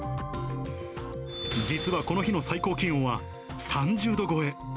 実はこの日の最高気温は３０度超え。